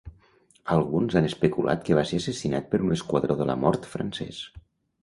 Alguns han especulat que va ser assassinat per un esquadró de la mort francès.